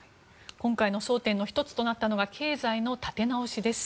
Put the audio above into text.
今回の争点の１つとなったのが経済の立て直しです。